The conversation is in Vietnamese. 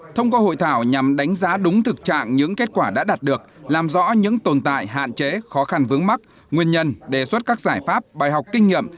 thông qua hội thảo nhằm đánh giá đúng thực trạng những kết quả đã đạt được làm rõ những tồn tại hạn chế khó khăn vướng mắt nguyên nhân đề xuất các giải pháp bài học kinh nghiệm